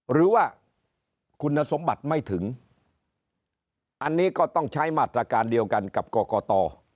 หรือว่าคุณสมบัติไม่ถึงอันนี้ก็ต้องใช้มาตรการเดียวกันกับกรกต